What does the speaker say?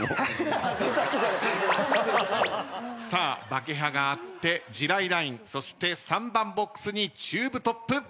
バケハがあって地雷ラインそして３番ボックスにチューブトップ。